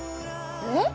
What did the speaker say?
「えっ！？